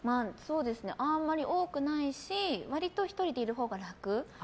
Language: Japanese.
あんまり多くないし割と１人でいるほうが楽。